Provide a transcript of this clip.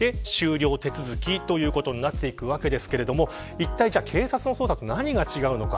いったい警察の捜査と何が違うのか。